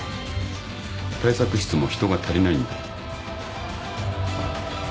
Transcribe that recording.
対策室も人が足りないんで。